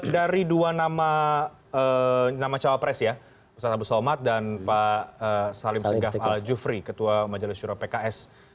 dari dua nama cawapres ya ustadz abdul somad dan pak salim seghah al jufri ketua majalah syurah pks